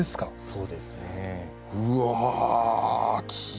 そうですね。